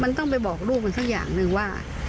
มันต้องไปบอกลูกมันสักอย่างหนึ่งว่า